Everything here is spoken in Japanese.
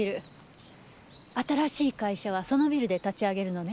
新しい会社はそのビルで立ち上げるのね？